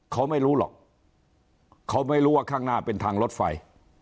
เขาไม่รู้หรอกเขาไม่รู้ว่าข้างหน้าเป็นทางรถไฟ